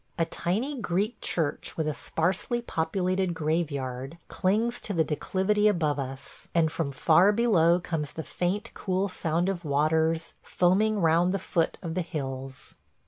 A tiny Greek church with a sparsely populated graveyard clings to the declivity above us, and from far below comes the faint cool sound of waters foaming round the foot of the hills.